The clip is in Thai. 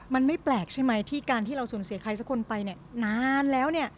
มันไม่แปลกใช่ไหมที่การที่เราสูญเสียใครสักคนไปเนี่ยนานแล้ว